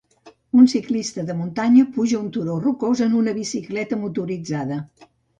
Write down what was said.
Un ciclista de muntanya puja un turó rocós en una bicicleta motoritzada.